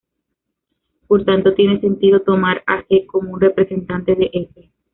Por tanto tiene sentido tomar a "g" como un representante de "f".